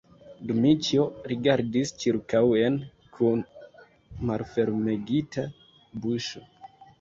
Dmiĉjo rigardis ĉirkaŭen kun malfermegita buŝo.